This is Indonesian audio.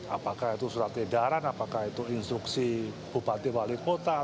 apakah itu surat edaran apakah itu instruksi bupati wali kota